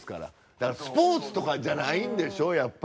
だからスポーツとかじゃないんでしょやっぱり。